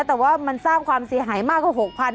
แต่ว่ามันสร้างความเสียหายมากกว่า๖๐๐๐